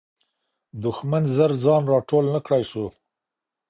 دښمن زر ځان را ټول نه کړی سو.